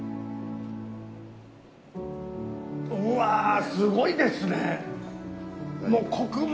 うわすごいですね。